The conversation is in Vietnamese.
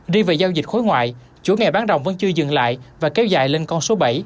riêng về giao dịch khối ngoại chủ nghề bán rộng vẫn chưa dừng lại và kéo dài lên con số bảy